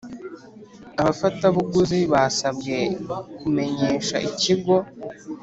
Abafatabuguzi basabwe kumenyesha ikigo